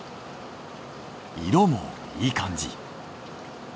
色もいい感じ。